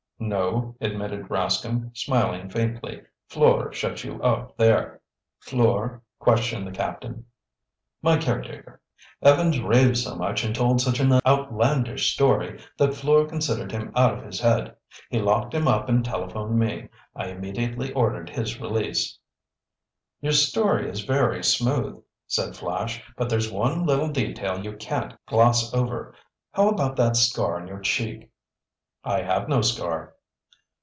"No," admitted Rascomb, smiling faintly. "Fleur shut you up there." "Fleur?" questioned the captain. "My caretaker. Evans raved so much and told such an outlandish story that Fleur considered him out of his head. He locked him up and telephoned me. I immediately ordered his release." "Your story is very smooth," said Flash, "but there's one little detail you can't gloss over. How about that scar on your cheek?" "I have no scar."